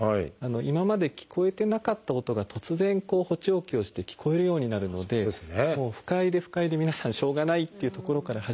今まで聞こえてなかった音が突然補聴器をして聞こえるようになるので不快で不快で皆さんしょうがないっていうところから始まる。